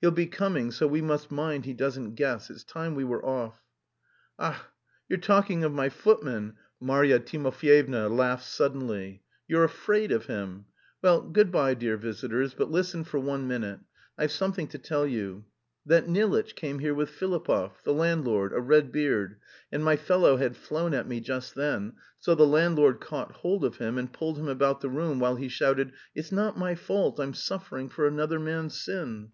"He'll be coming, so we must mind he doesn't guess. It's time we were off." "Ach, you're talking of my footman," Marya Timofyevna laughed suddenly. "You're afraid of him. Well, good bye, dear visitors, but listen for one minute, I've something to tell you. That Nilitch came here with Filipov, the landlord, a red beard, and my fellow had flown at me just then, so the landlord caught hold of him and pulled him about the room while he shouted 'It's not my fault, I'm suffering for another man's sin!'